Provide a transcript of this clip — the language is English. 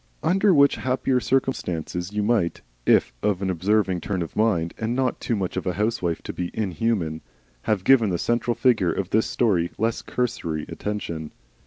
Under which happier circumstances you might if of an observing turn of mind and not too much of a housewife to be inhuman have given the central figure of this story less cursory attention.